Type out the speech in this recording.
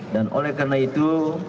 dan oleh karena itu